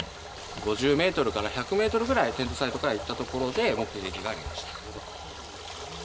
５０ｍから１００ｍくらいテントサイトから行ったところで目撃がありました。